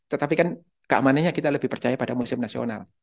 tetapi kan keamanannya kita lebih percaya pada museum nasional